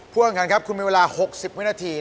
พูดกันครับคุณมีเวลา๖๐วินาที